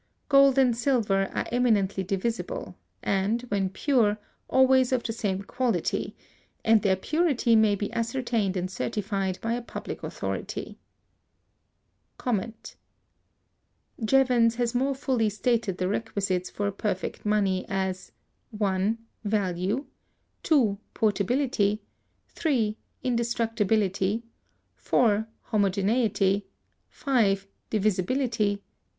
Gold and silver are eminently divisible, and, when pure, always of the same quality; and their purity may be ascertained and certified by a public authority. Jevons(226) has more fully stated the requisites for a perfect money as— 1. Value. 2. Portability. 3. Indestructibility. 4. Homogeneity. 5. Divisibility.